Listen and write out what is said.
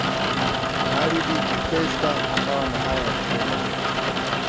Khardi Fessa akawa na haya ya kusema